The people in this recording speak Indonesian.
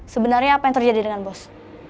sebenarnya apa yang terjadi dengan bos